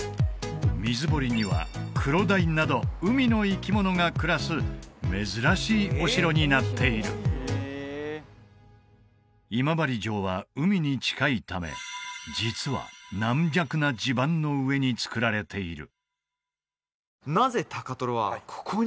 水堀にはクロダイなど海の生き物が暮らす珍しいお城になっている今治城は海に近いため実は軟弱な地盤の上に造られている